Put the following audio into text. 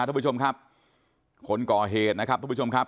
ทุกผู้ชมครับคนก่อเหตุนะครับทุกผู้ชมครับ